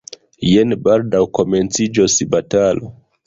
Jen baldaŭ komenciĝos batalo.